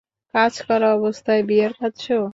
কাজ করা অবস্থায় বিয়ার খাচ্ছো?